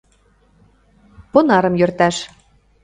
— Понарым йӧрташ.